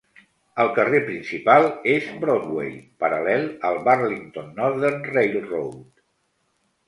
El carrer principal és Broadway, paral·lel al Burlington Northern Railroad.